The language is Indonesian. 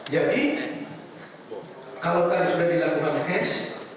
jadi kalau tadi sudah dilakukan hes